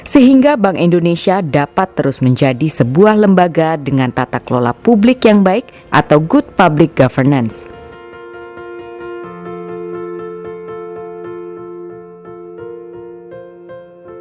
sehingga bank indonesia dapat terus menjadi sebuah lembaga dengan tata kelola publik yang baik atau good public governance